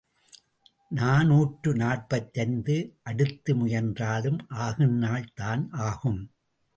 நாநூற்று நாற்பத்தைந்து அடுத்து முயன்றாலும் ஆகும் நாள்தான் ஆகும்.